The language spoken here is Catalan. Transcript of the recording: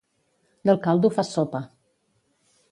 Del caldo fas sopa.